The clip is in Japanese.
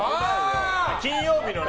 金曜日のね。